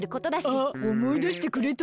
あっおもいだしてくれた？